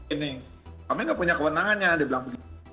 ini kami tidak punya kewenangannya dibilang begitu